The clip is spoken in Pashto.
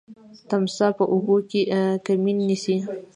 تمساح په اوبو کي کمین نیسي.